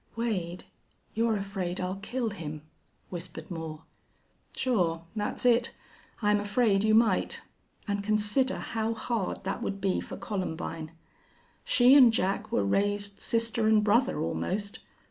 "Wade, you're afraid I'll kill him?" whispered Moore. "Sure. That's it. I'm afraid you might. An' consider how hard that would be for Columbine. She an' Jack were raised sister an' brother, almost.